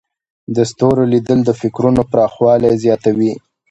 د ستورو لیدل د فکرونو پراخوالی زیاتوي.